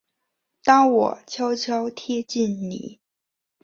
当我悄悄贴近你